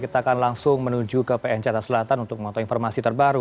kita akan langsung menuju ke pn jakarta selatan untuk menonton informasi terbaru